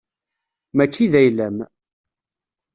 Mačči d ayla-m.